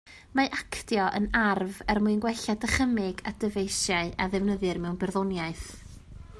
Mae actio yn arf er mwyn gwella dychymyg a dyfeisiau a ddefnyddir mewn barddoniaeth.